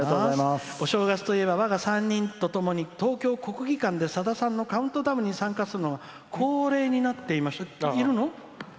「お正月といえばわが３人とともに東京国技館に、さださんのカウントダウンに参加するのが恒例になっています。